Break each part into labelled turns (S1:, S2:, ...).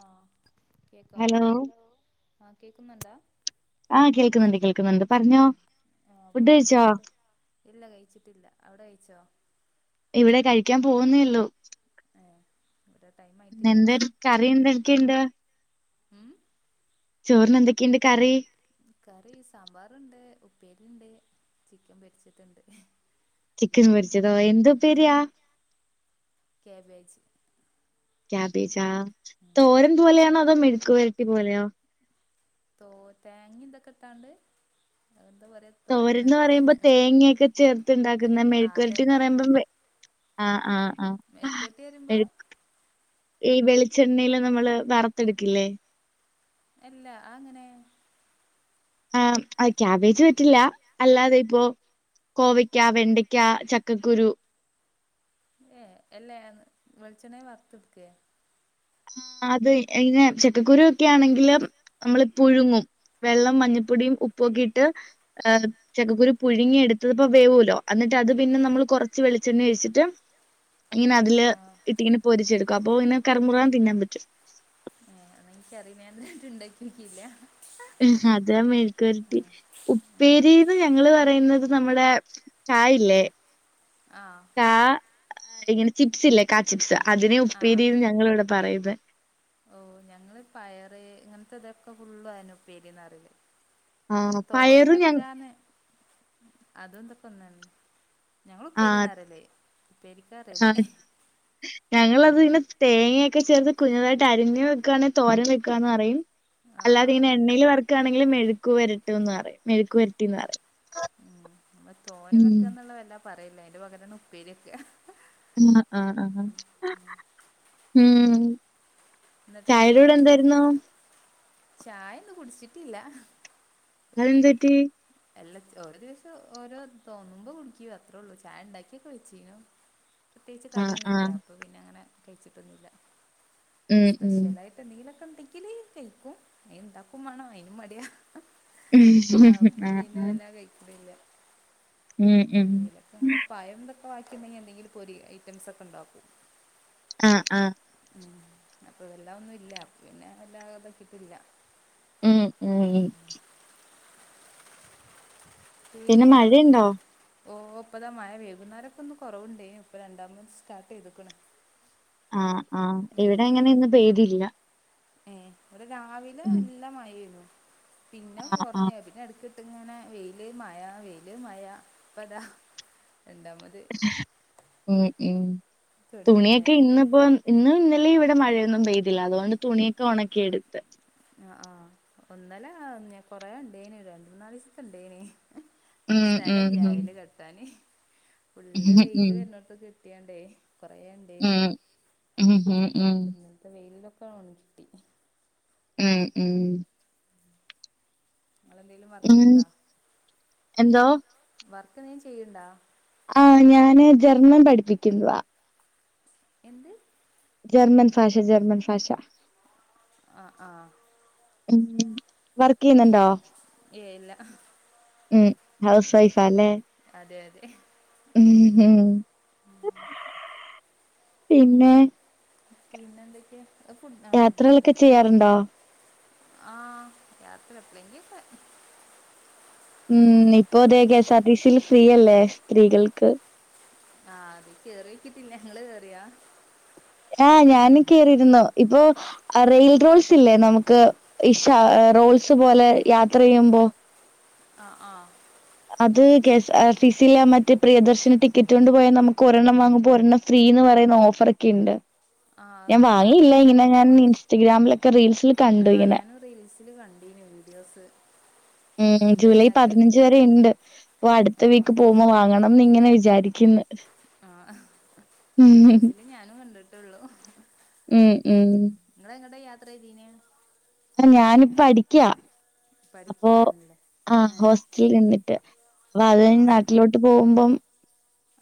S1: ആഹ് കേക്കാവോ ഹലോ ആ കേക്കുന്നുണ്ടോ
S2: ആഹ് കേൾക്കുന്നുണ്ട് കേൾക്കുന്നുണ്ട് പറഞ്ഞോ
S1: ആഹ്
S2: ഫുഡ്
S1: പിന്നേ
S2: കഴിച്ചോ
S1: എന്തൊക്കെയുണ്ട് ഇല്ല കയിച്ചിട്ടില്ല അവിടെ കയിച്ചോ
S2: ഇവിടെ കഴിക്കാൻ പോകുന്നേ ഒള്ളു
S1: ആഹ്
S2: പിന്നെ എന്തരു കറി എന്തൊക്കെയുണ്ട്
S1: ഉം
S2: ചോറിന് എന്തൊക്കെയുണ്ട് കറി
S1: കറി സാമ്പാറുണ്ട് ഉപ്പേരിയുണ്ട് ചിക്കൻ പൊരിച്ചതുണ്ട്
S2: ചിക്കൻ പൊരിച്ചതോ എന്ത്‌
S1: ആഹ്
S2: ഉപ്പേരിയാ
S1: കാബേജ്
S2: കാബേജാ
S1: ഉം
S2: തോരൻ പോലെയാണോ അതോ മെഴുക്കുവരട്ടി പോലെയോ
S1: തോ തേങ്ങ ഇതൊക്കെ ഇട്ടാണ്ട് എന്താ പറയാ
S2: തോരൻന്ന്
S1: തോരനല്ലേ
S2: പറയുമ്പോ തേങ്ങയൊക്കെ ചേർത്ത് ഉണ്ടാക്കുന്നെ
S1: ആഹ്
S2: മെഴക്കുപെരട്ടീന്ന്
S1: അതന്നെ
S2: പറയുമ്പോ ആഹ് ആഹ് ആഹ്
S1: മെഴുക്കുവരട്ടി പറയുമ്പോ
S2: മെഴുക്ക് ഈ വെളിച്ചെണ്ണയില് നമ്മള് വറുത്തെടുക്കില്ലേ
S1: അല്ലാ അങ്ങനെ
S2: ആഹ് ആ കാബേജ് പറ്റില്ല അല്ലാതെ ഇപ്പോ കോവക്ക വെണ്ടക്ക ചക്കക്കുരു
S1: ഏ എല്ലാ എ വെളിച്ചെണ്ണയിൽ വർത്തെടുക്കേ
S2: അത് ഇങ്ങെനെ ചക്കക്കുരു ആണെങ്കില് നമ്മള് പുഴുങ്ങും വെള്ളം മഞ്ഞപ്പൊടിയും ഉപ്പുവൊക്കെ ഇട്ട് ചക്കക്കുരു പുഴുങ്ങി എടുത്തത് അപ്പൊ വേവൂലോ എന്നിട്ട് അത് പിന്നെ നമ്മള് കൊറച്ച് വെളിച്ചെണ്ണ ഒഴിച്ചിട്ട് ഇങ്ങനെ അതില്
S1: ആഹ്
S2: ഇട്ടിങ്ങനെ പൊരിച്ചെടുക്കും അപ്പൊ ഇങ്ങനെ കറമുറാ തിന്നാൻ പറ്റും
S1: എനിക്കറിയാം ഞാൻ എന്നിട്ട് ഇണ്ടാക്കി നോക്കിയില്ല
S2: അതാ മെഴുക്കുവരട്ടി ഉപ്പേരീന്ന് ഞങ്ങള് പറയുന്നത് നമ്മുടെ ചായയില്ലേ
S1: ആഹ്
S2: ആഹ് ഇങ്ങനെ ചിപ്സ് ഇല്ലേ കാ ചിപ്സ് അതിനെയാ
S1: ആ ആ
S2: ഉപ്പേരീന്ന് ഞങ്ങള് ഇവിടെ പറയുന്നെ
S1: ഓ ഞങ്ങള് പയറ് ഇങ്ങനത്തെ ഇതൊക്കെ ഫുള്ളും ആണ് ഉപ്പേരീന്ന് പറയല് അത്
S2: ആഹ്
S1: തോരൻ
S2: പയറ് ഞ
S1: വെക്കാന്ന് അത് ഇതൊക്കെ ഒന്ന്‌ തന്നെ ഞങ്ങള്
S2: ആഹ്
S1: ഉപ്പേരിന്നാ പറയല് ഉപ്പേരിക്ക പറയല്
S2: ആഹ് ഞങ്ങളത് ഇങ്ങനെ തേങ്ങയൊക്കെ ചേർത്ത് കുഞ്ഞുതായിട്ട് അരിഞ്ഞ് വെക്കുവാണേ തോരൻ വെക്കുവാന്ന് പറയും
S1: ആ ആ
S2: അല്ലാതെ ഇങ്ങനെ എണ്ണയിൽ വറക്കാണെങ്കിൽ മെഴുക്കു വരട്ട് എന്ന് പറയും മെഴുക്കുവരട്ടീന്ന് പറയും
S1: ഉം നമ്മള് തോരൻ
S2: ഉം
S1: വെക്കന്നുള്ളതല്ല പറയില്ലേ അതിന്റെ പകരാണ് ഉപ്പേരി വക്കുക
S2: ആഹ് ആഹ് ആഹ് ഉം
S1: എന്നിട്ട്
S2: ചായയുടെ കൂടെ
S1: എന്തൊക്കെയാ
S2: എന്തായിരുന്നു
S1: ചായ ഒന്നും കുടിച്ചിട്ടില്ല
S2: അതെന്ത് പറ്റി
S1: എല്ലാ ഓരോ ദിവസം ഓരോ തോന്നുമ്പോ കുടിക്കും അത്രേ ഒള്ളൂ ചായ ഉണ്ടാക്കിയൊക്കെ വെച്ചീനു പ്രത്യേകിച്ച്
S2: ആഹ്
S1: കടിയൊന്നുവില്ല
S2: ആഹ്
S1: അപ്പൊ പിന്നെ അങ്ങനെ കഴിച്ചിട്ടൊന്നുവില്ല
S2: ഉം ഉം
S1: സ്പെഷ്യലായിട്ട് എന്തെങ്കിലൊക്കെ ഉണ്ടെങ്കില് കയിക്കും അയിന് ഉണ്ടാക്കും വേണം അയിനും മടിയാ
S2: ഉം അഹ് അഹ്
S1: [inaudible]
S2: ഉം
S1: ഞങ്ങള് പയംന്തൊക്കെ വാക്കിണ്ടെങ്കിൽ എന്തെങ്കിലും പൊരി ഐറ്റംസ് ഒക്കെ ഇണ്ടാക്കും
S2: ആഹ് ആഹ്
S1: മ് അപ്പ വെല്ലാ ഒന്നുല്ല പിന്നെ വല്ലാതാക്കിയിട്ടില്ല
S2: മ് മ് പിന്നെ
S1: പിന്ന ഔ
S2: മഴയുണ്ടോ
S1: ഓ ഇപ്പതാ മയ വൈകുന്നേരൊക്കെ ഒന്ന് കൊറവുണ്ടേനു ഇപ്പ രണ്ടാമത് സ്റ്റാർട്ട് ചെയ്തക്ണ്.
S2: ആഹ് ആഹ് ഇവിടെ അങ്ങനൊന്ന് പെയ്തില്ല.
S1: ഏ ഇവിടെ രാവിലെ
S2: ഉം
S1: നല്ല മഴേനു പിന്നെ
S2: ആഹ് ആഹ്
S1: കൊറഞ് പിന്നെ എടക്ക് ട്ട്ങ്ങനെ വെയില് മഴ വെയില് മഴ ഇപ്പതാ രണ്ടാമത്
S2: ഉം ഉം
S1: തുടങ്ങി മഴ
S2: തുണിയൊക്കെ ഇന്നിപ്പോ ഇന്ന് ഇന്നലിം ഇവിടെ മഴ ഒന്നും പെയ്തില്ല അതുകൊണ്ട് തുണിയക്കെ ഒണക്കിയെടുത്ത്.
S1: ആ ഹ്ആഹ് ഇന്നലെ കൊറെ ഇണ്ടയിനീ രണ്ട്മൂന്നാല്സത്ത ഇണ്ടേനി ആഹ് സ്ഥലല്ല അയല് കെട്ടാന് ഫുള്ള്
S2: ഉം.
S1: വെയില് വരുന്നിടത്തൊക്ക കെട്ടിയണ്ടേ. കൊറെ ഇണ്ടേനു
S2: ഉം, ഉം, ഉം,
S1: ഇന്നത്തെ വെയിലിലൊക്കെ ഒണങ്ങികിട്ടി.
S2: ഉം ഉം.
S1: നിങ്ങളെന്തെലും വർക്ക്
S2: ഉം,
S1: ചെയ്യണ്ടോ
S2: എന്തോ
S1: വർക്ക് എന്തേലും ചെയ്ണ്ട.
S2: ആഹ് ഞാന് ജർണം പഠിപ്പിക്കുന്നതാ
S1: എന്ത്?
S2: ജർമ്മൻ ഭാഷ ജർമ്മൻ ഭാഷ.
S1: ആഹ് ആഹ്.
S2: ഉം വർക്ക് ചെയ്യുന്നുണ്ടോ.
S1: ഏയ് ഇല്ല
S2: ഉം ഹൗസ് വൈഫ് ല്ലേ.
S1: അതെ അതെ.
S2: ഉ ഉം പിന്നെ.
S1: പിന്നെ എന്തൊക്കെ ഫുഡ്ആ ഫുഡയിക്ക.
S2: യാത്രകളൊക്കെ ചെയ്യാറുണ്ടോ
S1: ആഹ് യാത്ര എപ്പളെങ്കിലൊക്ക.
S2: ഉം ഇപ്പോ
S1: പോവാ
S2: അതെ കെ എസ് ആർ ടിസിയിൽ ഫ്രീയല്ലേ സ്ത്രീകൾക്ക്.
S1: ആഹ് അത് കേറിയോക്കിട്ടില്ല ഇങ്ങള് കേറിയൊ
S2: ആഹ് ഞാന് കേറിരുന്നു ഇപ്പൊ. റെയിൽ റോൾസ് ഇല്ലേ നമുക്ക് ഇഷ റോൾസ് പോലെ യാത്ര ചെയ്യുമ്പോ.
S1: ആഹ് ആഹ്
S2: അത് K S R T C ലെ മറ്റേ പ്രിയദർശനി ടിക്കറ്റ് കൊണ്ട് പോയാ നമുക്ക് ഒരെണ്ണം വാങ്ങുമ്പോൾ ഒരെണ്ണം. സ്ത്രീന്ന് പറയുന്ന ഓഫർ ഒക്കെ ഇണ്ട്.
S1: ആഹ്
S2: ഞാൻ
S1: അത് പറഞ്ഞ്
S2: വാങ്ങിയില്ല ഇങ്ങനെ
S1: കേട്ട്
S2: ഞാൻ ഇൻസ്റ്റഗ്രാമിലൊക്കെ റീൽസിൽ കണ്ടു ഇങ്ങനെ.
S1: ഇതില് കണ്ടീന് വീഡിയോസ്.
S2: ഉം
S1: ഇണ്ട്
S2: ജൂലൈ
S1: ന്നൊക്കെ
S2: പതിന ഞ്ച് വരെയിണ്ട് അപ്പൊ അടുത്ത
S1: ആഹ്
S2: വീക്ക് പോമ്പോ വാങ്ങണംന്ന് ഇങ്ങനെ വിചാരിക്കുന്നു
S1: ആഹ്
S2: ഉം
S1: വീഡിയോസില് ഞാനും കണ്ടിട്ടൊള്ളു
S2: ഉം ഉം
S1: ഇങ്ങളെങ്ങട്ട യാത്ര ചെയ്തീനെ
S2: ആഹ് ഞാന് പഠിക്ക അപ്പൊ
S1: പഠിക്കയാണല്ലേ
S2: ആഹ്
S1: ഏഹ്
S2: ഹോസ്റ്റലിൽ നിന്നിട്ട്. അപ്പൊ അത് കഴിഞ്ഞ്
S1: ആഹ്
S2: നാട്ടിലോട്ട് പോകുമ്പോ.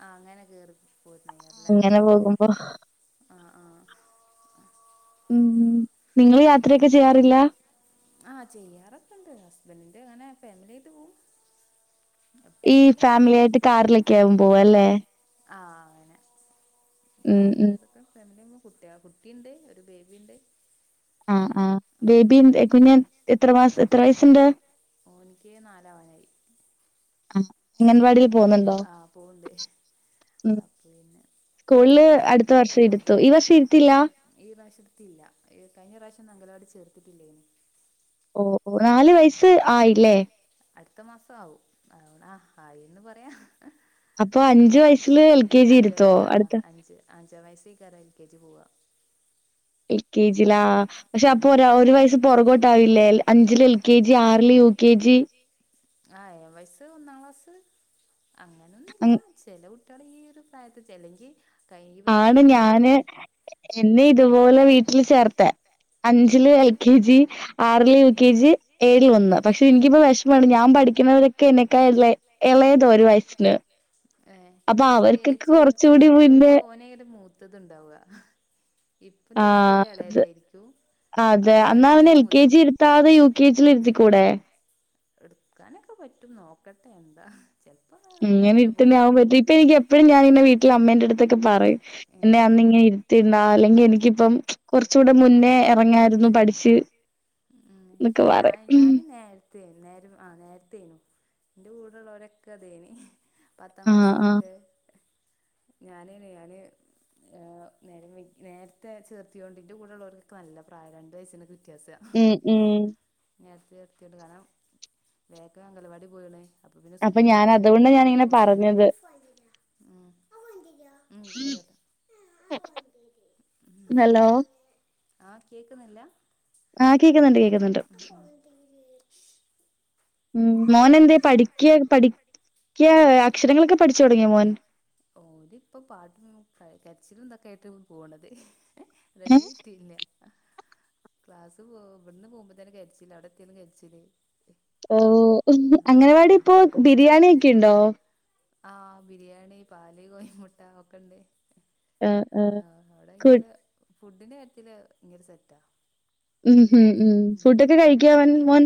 S1: ആഹ് അങ്ങനെ കേറി പോയിര്ന്നല്ലേ
S2: അങ്ങനെ പോകുമ്പോ
S1: ആഹ് ആഹ്.
S2: ഉം നിങ്ങൾ യാത്രയൊക്കെ ചെയ്യാറില്ല.
S1: ആഹ് ചെയ്യാറക്കണ്ട് ഹസ്ബൻഡിന്റെ അങ്ങനെ ഫാമിലിയായിട്ട് പോവും.
S2: ഈ
S1: എപ്പഴുല്ല
S2: ഫാമിലി ആയിട്ട് കാറിലൊക്കെ ആകും പോവ അല്ലേ.
S1: ആഹ് അങ്ങനെ
S2: ഉം ഉം
S1: കാറിലും ഇതൊക്കെ ഫെമിലി പോകും. കുട്ടി കുട്ടിയുണ്ട് ഒരു ബേബിയുണ്ട്.
S2: ആ ആ ബേബി കുഞ് എത്ര മാസ എത്ര വയസ്സുണ്ട്?
S1: ഓനിക്ക് നാലാവാനായി.
S2: ആ അംഗൻവാടി. പോകുന്നുണ്ടോ.
S1: ആഹ് പോവ്ണ്ട്
S2: ഉം
S1: അപ്പൊ പിന്നെ
S2: സ്കൂളിൽ
S1: ഓന്
S2: അടുത്ത വർഷം ഇരുത്തു ഈ വർഷം ഇരുത്തില്ല.
S1: ഈ പ്രാവശ്യ ഇരുത്തില്ല കഴിഞ്ഞ പ്രാവശ്യം അംഗനവാടില് ചേർത്തിട്ടില്ലേനി.
S2: ഓ നാല് വയസ്സ് ആയില്ലേ.
S1: അടുത്ത മാസം ആവും ആ ആ ഹായീ ന്ന് പറയാ
S2: അപ്പൊ അഞ്ചു വയസ്സ്
S1: അഞ്ചര ആ അഞ്ച് അഞ്ചാം വയസ്സിൽ കരം ല് യൂകേജി പോവാ
S2: യൂ കെ ജി ലാ
S1: ആഹ് ചപ്പൊ ഒരു വയസ് പുറകോട്ടാവില്ലേ അഞ്ചില് എൽ കെ ജി ആറില് യു കെ ജി ആഹ് ഏഴാം വയസ്സ് ഒന്നാം ക്ലാസ് അങ്ങനൊന്നുമില്ല ചെലകുട്ടി മക്കളെ ഈ ഒരു പ്രായത്തി ചെല്ലെങ്കി കൈഞ്ഞ പ്രാവശ്യം
S2: ആണ്
S1: ആണെങ്കിലില്ലേ
S2: ഞാന് എന്നെ ഇതുപോലെ വീട്ടിൽ ചേർത്തെ അഞ്ചില് എൽ കെ ജി ആറില് യു കെ ജി ഏഴില് ഒന്ന് പക്ഷെ എനിക്കിപ്പോ വെഷ
S1: വിഷമമുണ്ട് ഞാൻ പഠിക്കുന്നവരൊക്കെ എനക്കാ ഇളയ ഇളെതുമാ ഒരു വയസ്സിന് ഏഹ്
S2: അപ്പൊ
S1: പക്ഷേ ഏ
S2: അവർക്കൊക്കെ കുറച്ചുകൂടി
S1: ചേർത്തുമ്പോ
S2: മുന്നേ
S1: ചെലപ്പോ ഓനേത് മൂത്ത ത് ത് ണ്ടാവുക ഇപ്പം
S2: ആഹ്
S1: ചേർത്തിയാലെ
S2: അത്
S1: എളേതായിരിക്കും
S2: അതെ എന്നാ അവനെ എൽ കെ ജി ഇരുത്താതെ യു കെ ജിൽ ഇരുത്തിക്കൂടെ
S1: എടുക്കാനൊക്കെ പറ്റും നോക്കട്ടെ എന്താ ചെലപ്പോ
S2: ഇങ്ങനെ
S1: അങ്ങനെന്നെ
S2: ഇരുതുന്നെ
S1: പോവും
S2: ആവാൻ പറ്റും ഇപ്പൊ എനിക്കെ എപ്പോഴും ഞാൻ ഇങ്ങനെ വീട്ടിൽ അമ്മേന്റെ അടുത്തൊക്കെ പറയും എന്നെ അന്ന് ഇങ്ങനെ ഇരുത്തി തിന്ന അല്ലെങ്കിൽ എനിക്കിപ്പം
S1: കുറച്ചൂടെ മുന്നേ ഇറങ്ങരുന്ന് പഠിച്ച് ഉം
S2: എന്നൊക്കെ പറയും
S1: ഞാന് നേരത്തെ ത് നേരം ആ നേരത്തേനു എന്റെ കൂടെള്ളവരൊക്കെ അതേനി പത്താം
S2: ആഹ് ആഹ്
S1: ക്ലാസ്സിനൊക്കെ ഞാന് റൈഹാനെ ആഹ് നേരം വൈകി നേരത്തെ ചേർത്തിയോണ്ട് എന്റെ കൂടെ ഉള്ളവർക്ക് നല്ല പ്രായരണ്ട് വയസ്സിനൊക്കെ വ്യത്യാസ
S2: ഉം ഉം
S1: നേരത്തെ ചേർതിയൊണ്ട് കാരണം വേഗം അംഗൻവാടി പോയിണ് അപ്പൊ പിന്നെ സ്കൂള്
S2: ഞാൻ
S1: പോവാൻ
S2: അതുകൊണ്ട്
S1: ഭയങ്കര
S2: ഞാനിങ്ങനെ
S1: പൂതി
S2: പറഞ്ഞത്
S1: ഉം [unintelligible] ഉം
S2: ഹലോ
S1: ആഹ് കേക്കുന്നില്ല
S2: ആഹ് കേക്കുന്നുണ്ട് കേക്കുന്നുണ്ട് ഉം മോൻ എന്തേ പഠിക്ക്യ പഠിക്ക്യ അക്ഷരങ്ങളൊക്കെ പഠിച്ചു തുടങ്ങിയ മോൻ
S1: ഓര് ഇപ്പം പാട്ടും കരിച്ചിലുംന്തൊക്കെ ആയിട്ട് പോവണത് ഏ റെഡി ആയിറ്റില്ല ക്ലാസ് പോകുമ്പോഇവ്ട്ന്ന് പോകുമ്പോതന്നെ കരിച്ചില് അവിടെ എത്തിയാലും കരിച്ചില്
S2: ഓ അംഗൻവാടി ഇപ്പോ ബിരിയാണി ഒക്കെ ഉണ്ടോ
S1: ആഹ് ബിരിയാണി പാല് കോയിമുട്ട ഒക്കെ ഉണ്ട് ആഹ് അവിടെ
S2: കു
S1: ഭയങ്കര, ഫുഡ്ഡിന്റെ കാര്യത്തില് ഭയങ്കര സെറ്റാ.
S2: ഉം ഉം ഉം. ഫുഡ്ഡൊക്കെ കഴിക്കൊ അവൻ മോൻ?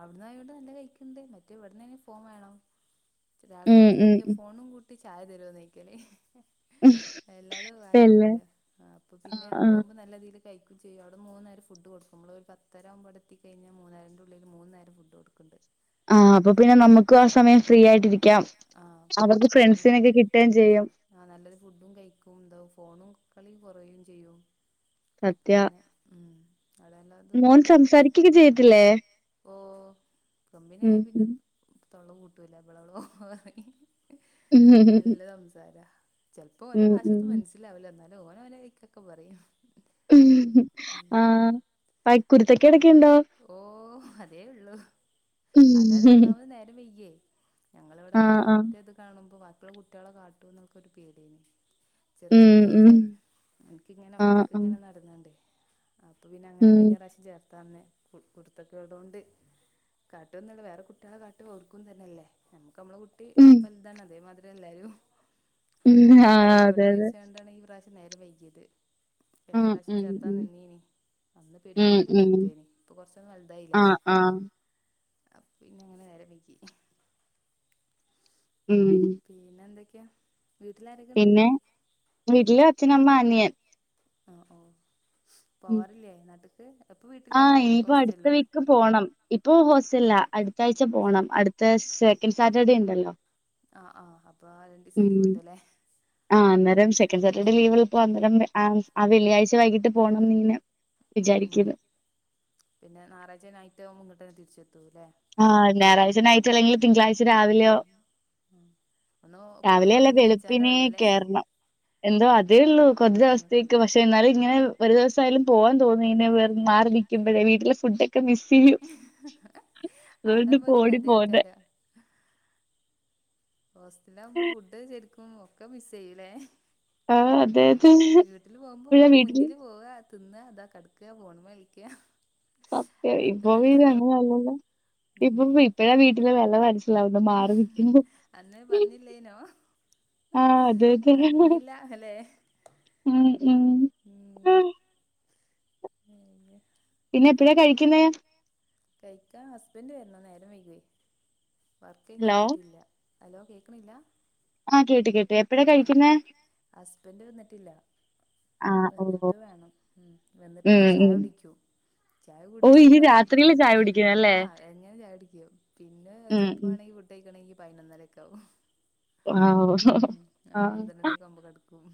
S1: അവിട്ന്ന് ആയോണ്ട് നല്ല കഴിക്ക്ണ്ട്. മറ്റേ ഇവിട്ന്നാണെ ഫോൺ വേണം. ന്നിറ്റ്
S2: ഉം
S1: രാവിൽത്തന്നെ
S2: ഉം
S1: ചോദിക്കും ഫോണും കൂട് ട്ടി ചായ തരോന്ന് ചോയ്ക്കാന്.
S2: ഉം
S1: അല്ലാതെ വ യ
S2: പിന്നെ
S1: എടുക്കൂല. ആഹ് അപ്പൊ പിന്നെ
S2: ആഹ് ആഹ്
S1: അവിടെയാവുമ്പോ നല്ല രീതീല് കഴിക്കും ചെയ്യും. അവിടെ മൂന്ന് നേരം ഫുഡ്ഡ് കൊടുക്കും നമ്മൾ ഒരു പത്തര ആകുമ്പോ അവിടെ എത്തിക്കഴിഞ്ഞാ മൂന്നരന്റെ ഉള്ളില് മൂന്ന് നേരം ഫുഡ്ഡ് കൊടുക്കും. കുണ്ട്.
S2: ആഹ് അപ്പൊ പിന്നെ നമുക്കും ആ സമയം ഫ്രീ ആയിട്ടിരിക്കാം.
S1: ആഹ്
S2: അവർക്ക്
S1: അത്
S2: ഫ്രണ്ട്സിനെയൊക്കെ കിട്ടുകയും ചെയ്യും.
S1: ആഹ് നല്ലൊരു ഫുഡ്ഡും കഴിക്കും എന്താവും ഫോണും കളി കൊറയും ചെയ്യും. അഹ്
S2: സത്യ
S1: പിന്നെ ഉം. അടേല്ലതും ഇപ്പൊ
S2: മോൻ
S1: പഠിപ്പിക്കാ. ഓന് സംസാരിക്കൊക്കെ
S2: ചെയ്യത്തില്ലേ
S1: ചെയ്യുന്നില്ലേ? ഓഹ് കമ്പിനി
S2: ഉം
S1: ആയാ പിന്നെ
S2: ഉം
S1: തൊള്ള പൂട്ടൂല. ബളബളോ.
S2: ഉം ഉം
S1: നല്ല സംസാരാ. ചെലപ്പോ ഓന്റെ
S2: ഉം ഉം
S1: ഭാഷയൊട്ടു മനസ്സിലാവില്ല. എന്നാലു ഓന് ഓന്റെ വഴിക്കൊക്കെ പറയും.
S2: ഉം ആഹ്. പ കുരുത്തക്കേടൊക്കെയുണ്ടോ?
S1: ഓഹ് അതേ ഇള്ളു. അതാണ് ഒന്നാമത് നേരം വെയ്കിയെ. ഞങ്ങളിവിടെ ഇങ്ങനെ
S2: ആഹ് ആഹ്
S1: ഓന്റത് കാണുമ്പോ ബാക്കിയുള്ള കുട്ട്യാളെ കാട്ടും എന്നൊക്കെ ഒരു പേടിയേനി. ചെറിയ
S2: ഉം ഉം
S1: ഇതല്ലേ. എനക്കിങ്ങനെ
S2: ആഹ് ആഹ്
S1: ഒറ്റക്ക്ങ്ങനെ നടന്നാണ്ട്. അപ്പൊ പിന്നെ അങ്ങനെ
S2: ഉം
S1: കഴിഞ്ഞ പ്രാശം ചേർ ത്തന്നെ കുരുത്തക്കേട് കൊണ്ട് കാട്ട്ന്നുള്ളു. വേറെ കുട്ട്യാളെ കാട്ട് ഓർക്കു ഇതന്നെയല്ലേ. നമ്മക്ക് നമ്മളെ കുട്ടി
S2: ഉം
S1: വല്താണ്. അതേമാതിരി എല്ലാരും,
S2: ഉം
S1: അപ്പൊ ഒന്നു
S2: ആഹ്
S1: ഇതായിക്കോ
S2: അതെ അതെ
S1: ണ്ടാണ് ഈ പ്രാവശ്യം നേരം വൈകിയത്. കഴിഞ്ഞ
S2: ഉം
S1: പ്രാവശ്യം
S2: ഉം
S1: ചേർത്താ
S2: ഉം
S1: നിന്നേയ്നി. അന്ന് പെരും
S2: ഉം
S1: കുത്തി
S2: ഉം
S1: ഇതേനി. ഇപ്പൊ കൊറച്ചൊന്ന് വല്തായില്ലേ.
S2: അഹ്.
S1: അപ്പിന്നെ ഇങ്ങനെ നേരം വൈകി.
S2: ഉം.
S1: പിന്നെന്തൊക്കെയാ? വീട്ടിലാരൊക്കെണ്ട്?
S2: പിന്നെ വീട്ടില് അച്ഛനമ്മ അനിയൻ
S1: ആഹ് ഓഹ്.
S2: ഉം
S1: പോവാറില്ലേ നാട്ട്ക്ക്? ഇപ്പ വീട്ടിലാ അതോ ഹോസ്റ്റൽലോ?
S2: ക്ക് പോണം. ഇപ്പോ ഹോസ്റ്റൽലാ. അട്ത്ത ആഴ്ച പോണം. അട്ത്ത സെക്കൻഡ് സാറ്റർഡേ ഇണ്ടല്ലോ.
S1: അഹ് ആഹ് അപ്പൊ അ
S2: ഉം. ആഹ് അന്നേരം സെക്കന്റ് സാറ്റർഡേ ലീവ് ഇള്ളപ്പോ അന്നേരം ആഹ്, ആ വെള്ളിയാഴ്ച വൈകിട്ട് പോണംന്നിങ്ങനെ
S1: ഉം ഉം. പിന്നെ ഞാറാഴ്ച നൈറ്റാവ്മ്പോ ഇങ്ങോട്ടന്നെ തിരിച്ചെത്തൂ ല്ലേ?
S2: ആഹ് ഞായറാഴ്ച നൈറ്റോ അല്ലെങ്കില് തിങ്കളാഴ്ച രാവിലെയോ
S1: ഉം. ഒന്ന് പോയി
S2: രാവിലെയല്ല
S1: ഉറങ്ങി നീച്ചാനേ
S2: വെള്പ്പിനേ
S1: ഉള്ളൂല്ലേ
S2: കേറണം. എന്തോ അതേ ഉള്ളൂ കുറച്ച് ദിവസത്തേക് ക്ക്. പക്ഷെ എന്നാലും ഇങ്ങനെ ഒരു ദിവസായാലും പോവാൻ തോന്നി മാറി നിൽക്കുമ്പഴേ. വീട്ടിലെ ഫുഡ്ഡൊക് ക്കെ മിസ് ചെയ്യും. അതോണ്ടാ
S1: അവിടാവുമ്പോ
S2: ഇപ്പൊ
S1: ഒരു
S2: ഓടി പോന്നെ.
S1: കഥയിക്കാരോ ഹോസ്റ്റലാവ്മ്പോ ഫുഡ്ഡ് ശരിക്കും ഒക്കെ മിസ്സ് ചെയ്യൂല്ലേ?
S2: ആഹ് അതെ അതെ.
S1: വീട്ടില് പോവ്മ്പോ
S2: ഇപ്പഴാ വീട്ടില്
S1: മുന്നില് പോവാ തിന്ന്വാ, അതാ കെടക്ക്വാ ഫോണ് മ്മെ കളിക്ക്വാ.
S2: ഒക്കെ. ഇപ്പൊ പിന്നെ അങ്ങനെ അല്ലല്ലോ. ഇപ്പൊ
S1: ഉം
S2: ഇപ്പഴാ വീട്ടിലെ വെല മനസ്സി ലാവുന്നെ, മാറി നിക്കുമ്പൊ.
S1: അന്ന് പറഞ്ഞില്ലേനോ
S2: ആഹ് അതെ അതെ.
S1: അറിഞ്ഞില്ല അല്ലേ
S2: ഉം ഉം.
S1: ഏ എഹ്
S2: പിന്നെപ്പഴാ കഴിക്കുന്നേ
S1: കഴിക്കാ ഹസ്ബന്റ് വരണം. നേരം വൈക്വെ
S2: ഹലോ
S1: വർക്കയ്ഞ്ഞെത്തിട്ടില്ല. അലോ കേക്ക്‌ണില്ല
S2: ആഹ് കേട്ട് കേട്ട്.
S1: ആഹ് എപ്പഴാ കഴിക്കുന്നേ. ആ ഹസ്ബന്റ് വന്നിട്ടില്ല
S2: ആഹ് ഓഹ്.
S1: വന്നിട്ട് വേണം. ഉം
S2: ഉം
S1: വന്നിട്ട്ഞ്ഞി ചായ
S2: ഉം.
S1: കുടിക്യു ചായ
S2: ഓ
S1: കുടിച്ചച്ചൊരു
S2: ഇനി
S1: ഭയ
S2: രാത്രിയില് ചായ കുടിക്കുന്നല്ലേ
S1: ആ എങ്ങനെ ചായ കുടിക്യു. പിന്നെ
S2: ഉം
S1: ചെൽപ്പ
S2: ഉം
S1: വേണെ ങ്കി ഫുഡഴിക്കണെങ്കി പയ്നൊന്നരൊക്കാവും.
S2: ആഹ്
S1: ഉം
S2: ആഹ്
S1: അപ്പപന്ത്രണ്ടണിയൊക്കാവുമ്പോ കട് ക്കും.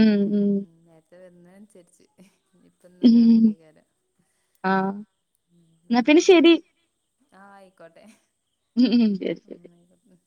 S2: ഉം
S1: ഉം നേര്ത്തെ വെരുന്നേനൻസര്ച്ച് ഞ്ഞിപ്പന്നത്തെ
S2: ഉം
S1: കണക്കേക്കാരം.
S2: ആഹ്
S1: ഉം
S2: എന്നാ
S1: വന്നാ
S2: പിന്നെ
S1: അപ്പ തന്നെ
S2: ശരി
S1: കു ആഹ് ഐക്കോട്ടെ
S2: ഉം ഉം ശരി ശരി
S1: ആഹ് ഐക്കോട്ടേ